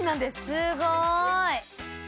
すごい！